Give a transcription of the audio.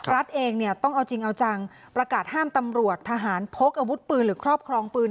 รัฐเองเนี่ยต้องเอาจริงเอาจังประกาศห้ามตำรวจทหารพกอาวุธปืนหรือครอบครองปืน